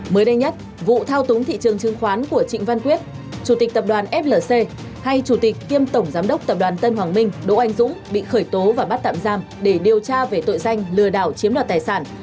mới đây nhất vụ thao túng thị trường chứng khoán của trịnh văn quyết chủ tịch tập đoàn flc hay chủ tịch kiêm tổng giám đốc tập đoàn tân hoàng minh đỗ anh dũng bị khởi tố và bắt tạm giam để điều tra về tội danh lừa đảo chiếm đoạt tài sản